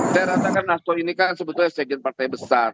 saya rasakan aktor ini kan sebetulnya sekjen partai besar